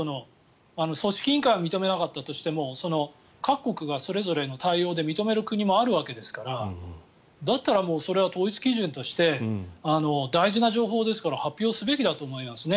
組織委員会は認めなかったとしても各国がそれぞれの対応で認める国もあるわけですからだったら、それは統一基準として大事な情報ですから発表すべきだと思いますね。